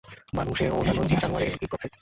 মানুষে ও অন্য জীব-জানোয়ারে এইটুকু প্রভেদ।